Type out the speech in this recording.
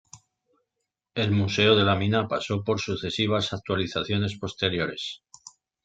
El Museo de la Mina pasó por sucesivas actualizaciones posteriores.